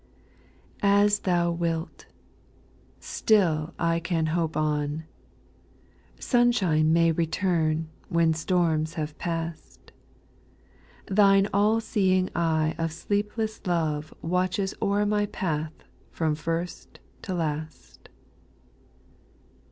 4. As Thou wilt I still I can hope on. Sunshine may return, when storms have pass'd ; Thine all seeing eye of sleeplesii love Watches o'er my path from first to last.